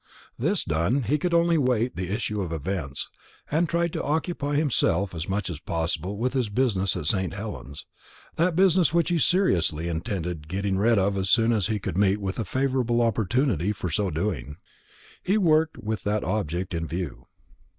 This done, he could only wait the issue of events, and he tried to occupy himself as much as possible with his business at St. Helens that business which he seriously intended getting rid of as soon as he could meet with a favourable opportunity for so doing. He worked with that object in view.